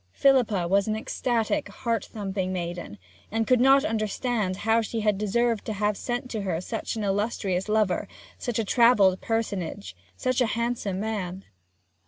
Philippa was an ecstatic, heart thumping maiden, and could not understand how she had deserved to have sent to her such an illustrious lover, such a travelled personage, such a handsome man.